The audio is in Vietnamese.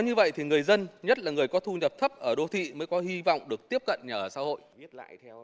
nhất là người có thu nhập thấp ở đô thị mới có hy vọng được tiếp cận nhà ở xã hội